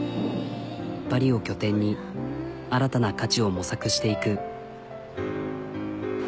パリを拠点に新たな価値を模索していく。